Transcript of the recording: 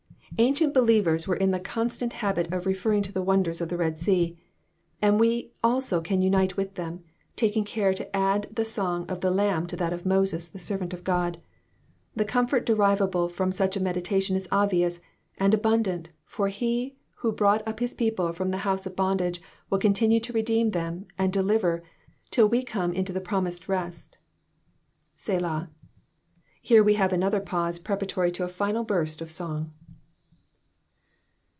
Ancient believers were in the con stant habit of referring to the wonders of the Red Sea, and we also can unite with them, taking care to add the song of the Lamb to that of Moses, the servant of God. The comfort derivable from such a meditation is obvious and abundant, for he who brought up his people from the house of bondage will continue to redeem and deliver till we come into the promised rest. ^^JSelah,^^ Here we have another pause preparatory to a final burst of song.